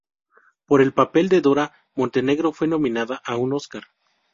Por el papel de Dora, Montenegro fue nominada a un Óscar.